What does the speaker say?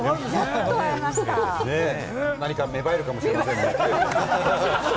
何か芽生えるかもしれませんね。